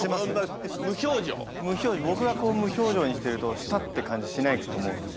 僕がこう無表情にしてるとしたって感じしないと思うので。